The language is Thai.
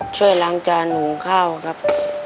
ช่วยล้างจานหุงข้าวครับ